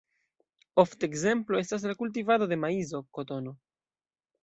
Ofte ekzemplo estas la kultivado de maizo, kotono.